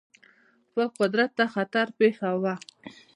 خپل قدرت ته خطر پېښاوه.